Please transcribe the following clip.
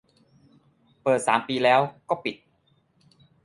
เปิดสามปีแล้วก็ปิด